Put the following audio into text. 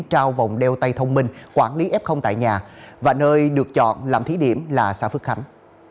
trao vòng đeo tay thông minh quản lý f tại nhà và nơi được chọn làm thí điểm là xã phước khánh